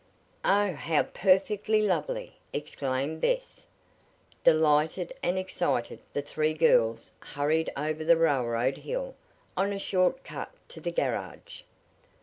"Oh, how perfectly lovely!" exclaimed Bess. Delighted and excited, the three girls hurried over the railroad hill, on a short cut to the garage.